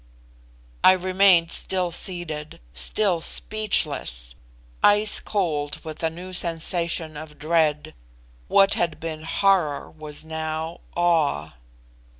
I remained still seated, still speechless, ice cold with a new sensation of dread; what had been horror was now awe.